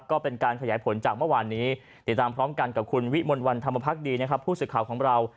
ก็เป็นการขยายผลจากเมื่อวานนี้ติดตามพร้อมกันกับคุณวิมลวันธรรมพักดีนะครับผู้สื่อข่าวของเรา